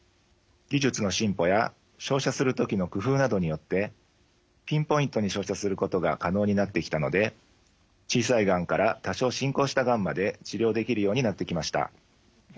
技術の進歩や照射する時の工夫などによってピンポイントに照射することが可能になってきたので小さいがんから多少進行したがんまで治療できるようになってきました。